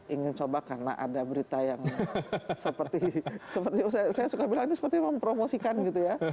ingin coba karena ada berita yang seperti saya suka bilang ini seperti mempromosikan gitu ya